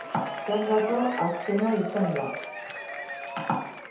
Txandako azkena izan da.